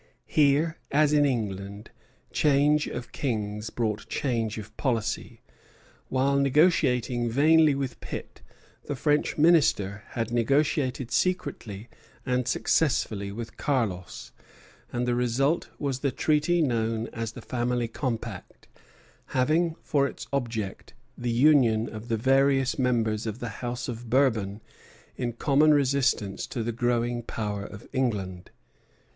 Here, as in England, change of kings brought change of policy. While negotiating vainly with Pitt, the French Minister had negotiated secretly and successfully with Carlos; and the result was the treaty known as the Family Compact, having for its object the union of the various members of the House of Bourbon in common resistance to the growing power of England.